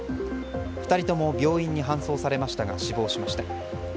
２人とも病院に搬送されましたが死亡しました。